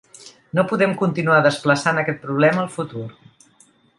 No podem continuar desplaçant aquest problema al futur.